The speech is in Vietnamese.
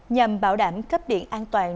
nhằm bảo đảm cấp điện an toàn